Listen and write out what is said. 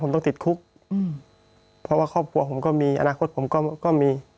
พี่เรื่องมันยังไงอะไรยังไง